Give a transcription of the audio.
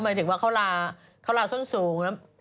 อ๋อหมายถึงว่าเขาลาส้นสูง